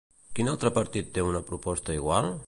Quin altre partit té una proposta igual?